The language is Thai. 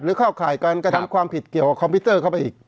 เข้าข่ายการกระทำความผิดเกี่ยวกับคอมพิวเตอร์เข้าไปอีก